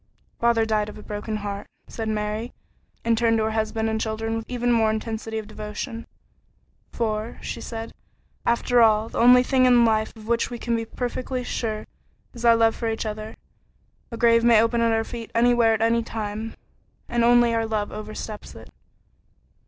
"Father died of a broken heart," said Mary, and turned to her husband and children with even more intensity of devotion. "For," she said, "after all, the only thing in life of which we can be perfectly sure is our love for each other. A grave may open at our feet anywhere at any time, and only love oversteps it."